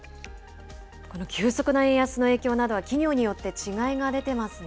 この急速な円安の影響などは、企業によって違いが出てますね。